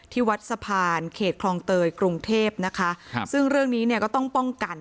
ที่วัดสะพานเขตคลองเตยกรุงเทพนะคะครับซึ่งเรื่องนี้เนี่ยก็ต้องป้องกัน